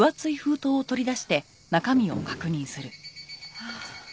ああ。